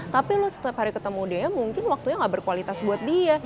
tapi lo setiap hari ketemu dia mungkin waktunya gak berkualitas buat dia